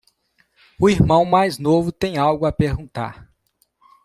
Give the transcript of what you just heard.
O irmão mais novo tem algo a perguntar.